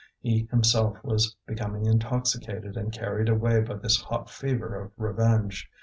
He himself was becoming intoxicated and carried away by this hot fever of revenge.